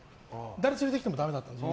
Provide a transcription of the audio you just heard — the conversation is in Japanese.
誰連れてきてもダメだったんです。